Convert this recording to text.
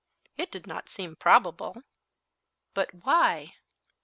It did not seem probable. But why?